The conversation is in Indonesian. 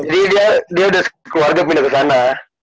jadi dia udah sekeluarga pindah kesana